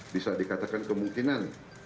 bisa dikatakan kemungkinan